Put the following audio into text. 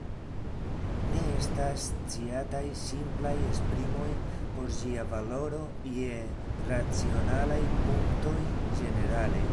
Ne estas sciataj simplaj esprimoj por ĝia valoro je racionalaj punktoj ĝenerale.